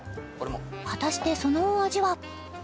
果たしてそのお味は？